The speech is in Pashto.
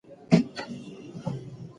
ما د خپلې ژبې لپاره يو څه وکړل.